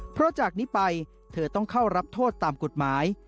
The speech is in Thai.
เพราะจากนี้ไปเธอต้องเข้ารับโทษตามกฎหมาย